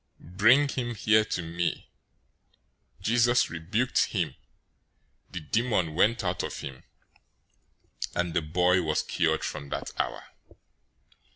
Bring him here to me." 017:018 Jesus rebuked him, the demon went out of him, and the boy was cured from that hour.